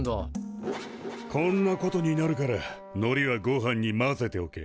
こんなことになるからのりはごはんに混ぜておけ。